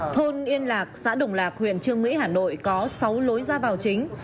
thôn yên lạc xã đồng lạc huyện trương mỹ hà nội có sáu lối ra vào chính